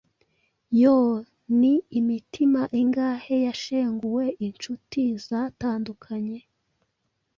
Yo! Ni imitima ingahe yashenguwe, incuti zatandukanye,